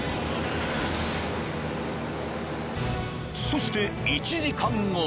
［そして１時間後］